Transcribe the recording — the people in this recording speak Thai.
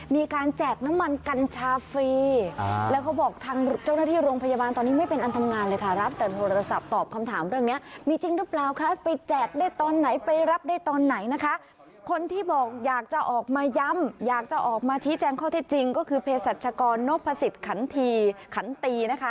มาชี้แจ้งข้อที่จริงก็คือเพศรัชกรนพฤศิษฐ์ขันตี